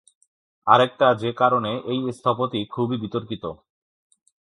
আরেকটা যে-কারণে এই স্থপতি খুবই বিতর্কিত।